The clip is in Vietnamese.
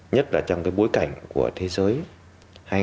nhất là trong bối cảnh của thế giới